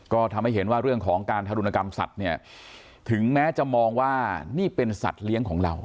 ก็ทำให้เห็นว่าเรื่องของการทารุณกรรมสัตว์เนี่ยถึงแม้จะมองว่านี่เป็นสัตว์เลี้ยงของเรา